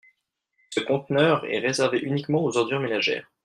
Ce conteneur est réservé uniquement aux ordures ménagères.